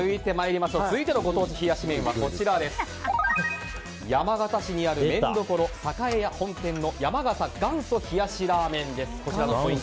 続いてのご当地冷やし麺は山形市にある麺どころ栄屋本店の山形元祖冷やしらーめんです。